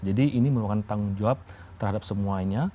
jadi ini merupakan tanggung jawab terhadap semuanya